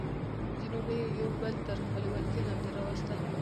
ځینو به یې یو بل تر خپلې ولکې لاندې راوستل.